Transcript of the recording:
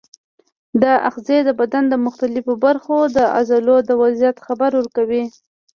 دا آخذې د بدن د مختلفو برخو د عضلو د وضعیت خبر ورکوي.